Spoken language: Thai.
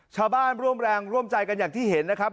ชาวบ้านร่วมแรงร่วมใจกันอย่างที่เห็นนะครับ